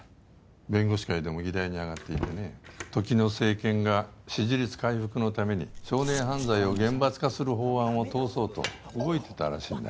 弁護士会でも議題にあがっていてね時の政権が支持率回復のために少年犯罪を厳罰化する法案を通そうと動いてたらしいんだ